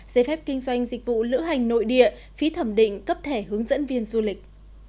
giấy phép kinh doanh dịch vụ lữ hành nội địa phí thẩm định cấp thẻ hướng dẫn viên du lịch